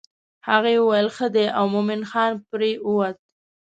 هغې وویل ښه دی او مومن خان پر ووت.